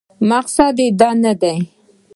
مقصود نه دی.